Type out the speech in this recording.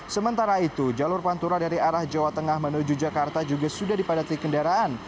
sementara itu jalur pantura dari arah jawa tengah menuju jakarta juga sudah dipadati kendaraan